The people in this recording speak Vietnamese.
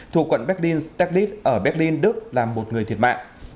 thuộc quận berlin stettlitz ở berlin đức là một người thiệt mạng